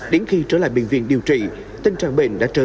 đến khi trở lại bệnh viện điều trị tình trạng bệnh đã trở